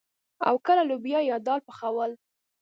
او کله لوبيا يا دال پخول.